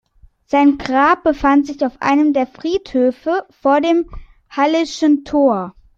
Sein Grab befand sich auf einem der Friedhöfe vor dem Halleschen Tor.